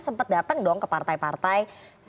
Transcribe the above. sempat datang dong ke partai partai